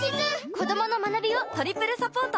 子どもの学びをトリプルサポート！